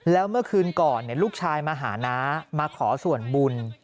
แล้วเมื่อคืนก่อนลูกชายมาหาน้ามาขอส่วนบุญ